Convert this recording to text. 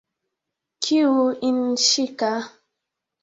Kiu innishika